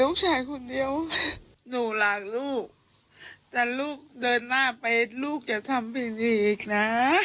ลูกชายคุณเดียวหนูหลากลูกแต่ลูกเดินหน้าไปแล้วลูกจะทำว่างนี้อีกนะ